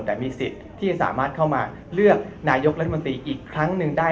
แต่มีสิทธิ์ที่จะสามารถเข้ามาเลือกนายกรัฐมนตรีอีกครั้งหนึ่งได้